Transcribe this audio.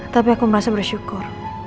tapi aku merasa bersyukur